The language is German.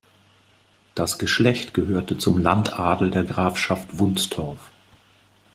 Das Geschlecht gehörte zum Landadel der Grafschaft Wunstorf.